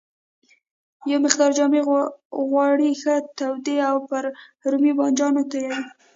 یو مقدار جامد غوړي ښه تودوي او پر رومي بانجانو یې تویوي.